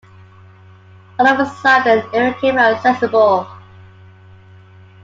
All of a sudden it became accessible.